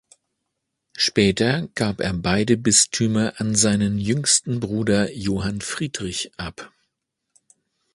Später gab er beide Bistümer an seinen jüngsten Bruder Johann Friedrich ab.